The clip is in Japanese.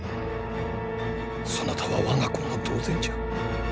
そなたは我が子も同然じゃ。